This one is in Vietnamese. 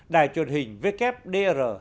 đài truyền hình wdr